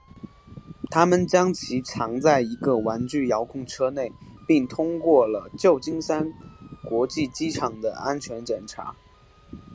他们将其藏在一个玩具遥控车内并通过了旧金山国际机场的安全检查。